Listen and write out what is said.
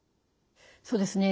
そうですね。